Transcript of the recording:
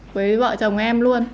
với vợ chồng em luôn